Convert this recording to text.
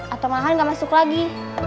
atau mahan gak masuk lagi